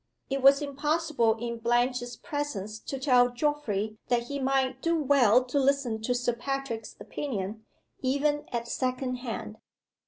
It was impossible in Blanche's presence to tell Geoffrey that he might do well to listen to Sir Patrick's opinion, even at second hand.